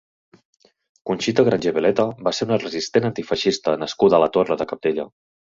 Conxita Grangé Beleta va ser una resistent antifeixista nascuda a la Torre de Cabdella.